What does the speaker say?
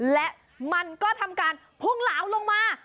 และมันก็ทำการพุ่งเหลาลงมา